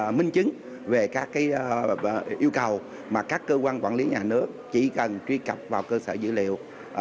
chính chứng về các yêu cầu mà các cơ quan quản lý nhà nước chỉ cần truy cập vào cơ sở dự liệu